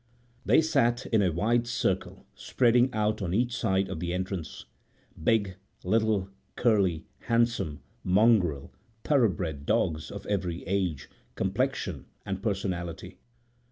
They sat in a wide circle spreading out on each side of the entrance, big, little, curly, handsome, mongrel, thoroughbred dogs of every age, complexion, and personality.